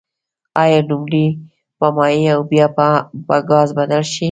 آیا لومړی په مایع او بیا به په ګاز بدل شي؟